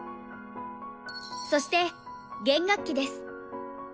そして弦楽器です。